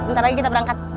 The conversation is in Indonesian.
ntar lagi kita berangkat